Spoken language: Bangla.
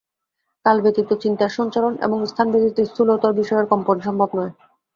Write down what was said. কাল ব্যতীত চিন্তার সঞ্চরণ এবং স্থান ব্যতীত স্থূলতর বিষয়ের কম্পন সম্ভব নয়।